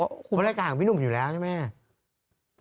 เพราะรายการของพี่หนุ่มอยู่แล้วใช่ไหม